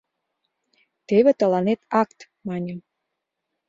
— Теве тыланет акт! — маньым.